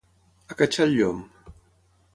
Acatxar el llom.